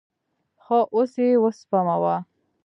ښه، اوس یی وسپموه